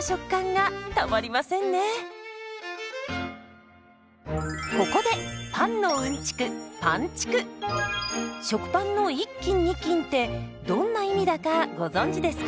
食パンの１斤２斤ってどんな意味だかご存じですか？